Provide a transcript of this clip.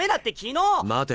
待て。